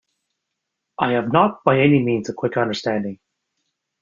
I have not by any means a quick understanding.